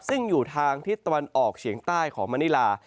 สู่ทางที่ตะวันออกเฉียงใต้ของมะนิลา